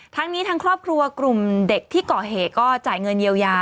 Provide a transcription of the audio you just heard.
ทั้งนี้ทั้งครอบครัวกลุ่มเด็กที่ก่อเหตุก็จ่ายเงินเยียวยา